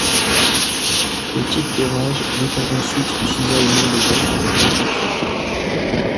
Le type d'orage dépend ensuite du cisaillement des vents avec l'altitude.